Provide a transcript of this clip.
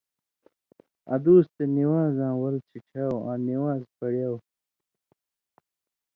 اَدُوس تے نِوان٘زاں وَل سِچھیاؤ، آں نِوان٘ز پڑیاؤ۔